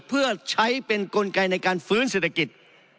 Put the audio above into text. เพื่อใช้เป็นกลไกในการฟื้นเศรษฐกิจ